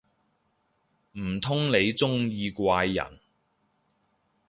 唔通你鍾意怪人